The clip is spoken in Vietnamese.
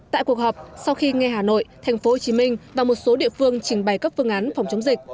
tại cuộc họp sau khi nghe hà nội tp hcm và một số địa phương trình bày các phương án phòng chống dịch